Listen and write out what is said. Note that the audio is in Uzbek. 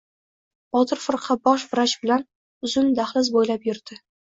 Botir firqa bosh vrach bilan uzun dahliz bo‘ylab yurdi.